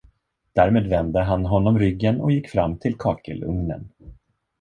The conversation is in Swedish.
Därmed vände han honom ryggen och gick fram till kakelugnen.